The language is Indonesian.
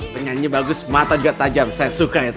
penyanyi bagus mata juga tajam saya suka itu